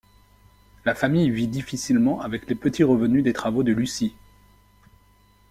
La famille vit difficilement avec les petits revenus des travaux de Lucie.